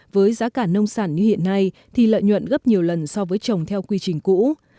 với giá cả nông sản như hiện nay thì lợi nhuận gấp nhiều lần so với trồng theo quy trình cũ